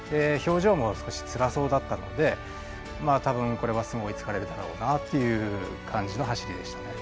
表情も少しつらそうだったのでたぶん、これはすぐ追いつかれるだろうなという感じの走りでした。